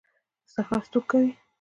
استخراج څوک کوي؟